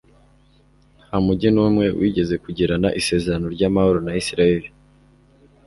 nta mugi n'umwe wigeze kugirana isezerano ry'amahoro na israheli